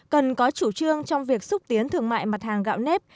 cần có chủ trương trong việc xúc tiến thương mại mặt hàng gạo nếp